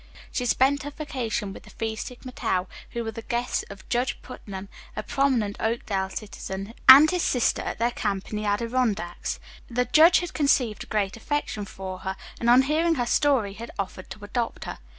She had spent her vacation with the Phi Sigma Tau, who were the guests of Judge Putnam, a prominent Oakdale citizen, and his sister at their camp in the Adirondacks. The judge had conceived a great affection for her, and on hearing her story had offered to adopt her.